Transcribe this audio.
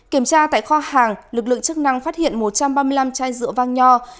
kiểm tra tại kho hàng lực lượng chức năng phát hiện một trăm ba mươi năm chai rượu vang nho